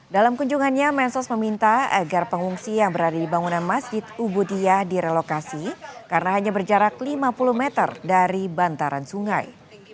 dalam kunjungannya mensos meminta agar pengungsi yang berada di bangunan masjid ubudyah direlokasi karena hanya berjarak lima puluh meter dari bantaran sungai